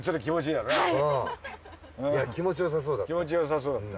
いや気持ちよさそうだった。